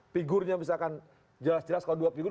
figurnya misalkan jelas jelas kalau dua figur